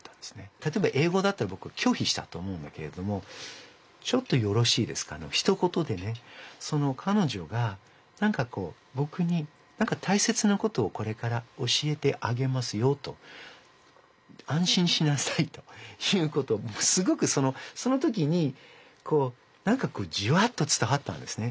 たとえばえい語だったらぼくはきょひしたと思うんだけれども「ちょっとよろしいですか」のひと言でねそのかのじょがぼくに「たいせつなことをこれから教えてあげますよ」と「あん心しなさい」ということをすごくその時にこうジワッと伝わったんですね。